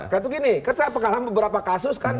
kata gini karena saya pengalaman beberapa kasus kan